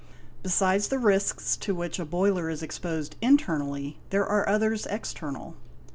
Besides the risks to which a boiler is exposed internally there are others external.